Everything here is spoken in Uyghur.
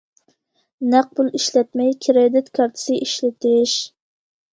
نەق پۇل ئىشلەتمەي، كىرېدىت كارتىسى ئىشلىتىش.